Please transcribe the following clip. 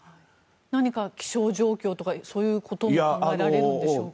何か気象状況とかそういうことも考えられるのでしょうか。